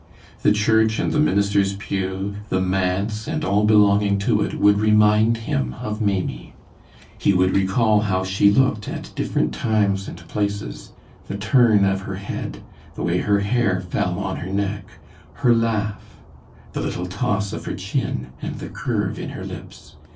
The church and the minister's pew, the manse and all belonging to it would remind him of Maimie. He would recall how she looked at different times and places, the turn of her head, the way her hair fell on her neck, her laugh, the little toss of her chin, and the curve in her lips.